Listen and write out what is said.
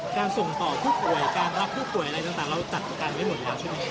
การส่งต่อผู้ป่วยการรับผู้ป่วยอะไรต่างเราจัดประกันไว้หมดแล้วใช่ไหมครับ